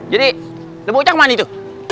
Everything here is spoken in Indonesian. jadi tembuk ucak mana itu